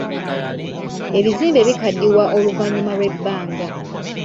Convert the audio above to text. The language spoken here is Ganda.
Ebizimbe bikaddiwa oluvannyuma lw'ebbanga.